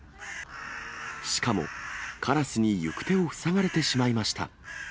しかも、カラスに行く手を塞がれてしまいました。